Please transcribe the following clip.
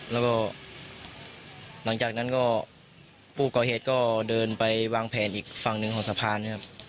แล้วก็หลังจากนั้นก็ผู้ก่อเหตุก็เดินไปวางแผนอีกฝั่งหนึ่งของสะพานนะครับ